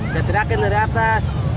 saya teriakin dari atas